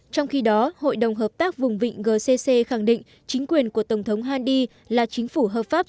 trong khi đó hội đồng hợp tác vùng vịnh gcc khẳng định chính quyền của tổng thống handhi là chính phủ hợp pháp